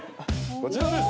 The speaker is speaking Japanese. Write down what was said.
こちらです！